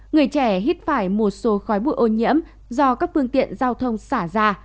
người trẻ hít phải một số khói bụi ô nhiễm do các phương tiện giao thông xả ra